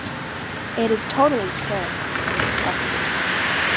It is totally terrible, and disgusting.